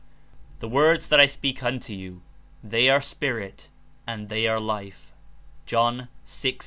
"The words that I speak unto you, they are spirit and they are life/' (John 6.63.)